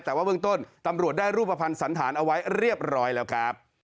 แต่ว่าเบื้องต้นตำรวจได้รูปภัณฑ์สันธารเอาไว้เรียบร้อยแล้วครับ